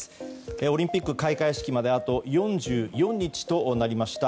オリンピック開会式まであと４４日となりました。